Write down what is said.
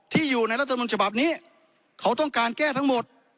ที่อยู่ในรัฐมนต์ฉบับนี้เขาต้องการแก้ทั้งหมด